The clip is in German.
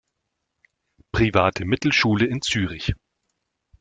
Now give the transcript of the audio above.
Private Mittelschule in Zürich.